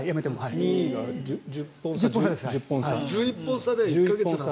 ２位が１１本差。